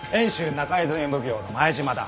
中泉奉行の前島だ。